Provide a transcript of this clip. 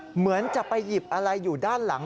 เหมือนจะไปหยิบอะไรอยู่ด้านหลัง